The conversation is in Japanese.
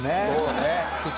そうね。